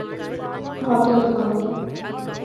دونوں ہاتھوں میں تھام لیا۔